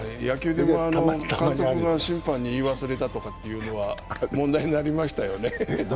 監督が審判に言い忘れたということが問題になりましたよね。